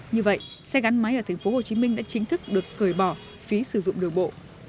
như vậy xe gắn máy ở tp hcm đã chính thức được cởi bỏ phí sử dụng đường bộ